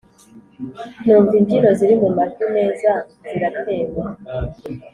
numva imbyino ziri mu majwi meza ziratewe,